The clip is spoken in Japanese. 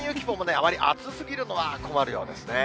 あまり暑すぎるのは困るようですね。